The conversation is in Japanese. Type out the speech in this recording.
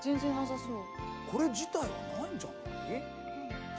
これ自体はないんじゃない？